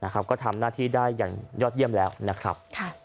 ก็ทำหน้าที่ได้อย่างยอดเยี่ยมแล้วนะครับ